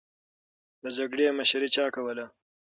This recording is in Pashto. د جګړې مشري چا کوله؟